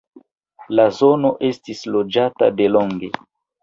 La zono estis loĝata delonge.